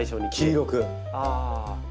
黄色く。